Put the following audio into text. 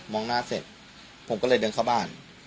องหน้าเสร็จผมก็เลยเดินเข้าบ้าน